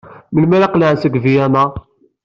Melmi ara qelɛen seg Vienna?